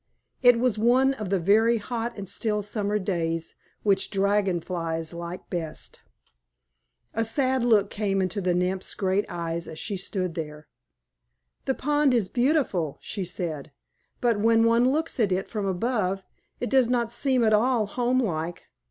It was one of the very hot and still summer days, which Dragon Flies like best. A sad look came into the Nymph's great eyes as she stood there. "The pond is beautiful," she said; "but when one looks at it from above, it does not seem at all homelike."